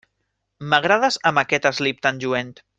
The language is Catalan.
M'agrades amb aquest eslip tan lluent.